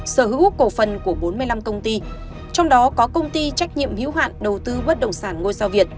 sở hữu cổ phần của bốn mươi năm công ty trong đó có công ty trách nhiệm hữu hạn đầu tư bất đồng sản ngôi sao việt